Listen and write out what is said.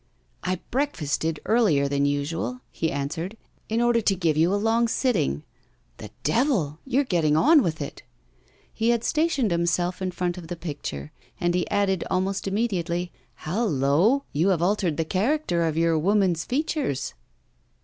'I breakfasted earlier than usual,' he answered, 'in order to give you a long sitting. The devil! you are getting on with it.' He had stationed himself in front of the picture, and he added almost immediately: 'Hallo! you have altered the character of your woman's features!